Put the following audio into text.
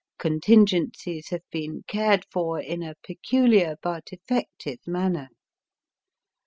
Contingencies have been cared for in a pecuUar but effective manner.